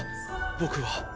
僕は。